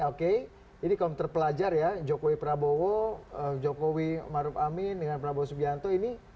oke ini kaum terpelajar ya jokowi prabowo jokowi maruf amin dengan prabowo subianto ini